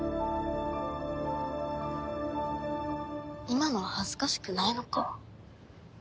今のは恥ずかしくないのか？